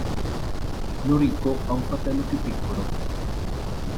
Noriko ha un fratello più piccolo.